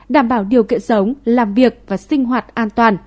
đảm bảo điều kiện sống làm việc và sinh hoạt an toàn